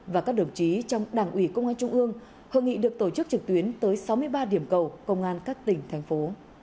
và các đồng chí trong đảng ủy công an trung ương hội nghị được tổ chức trực tuyến tới sáu mươi ba điểm cầu công an các tỉnh thành phố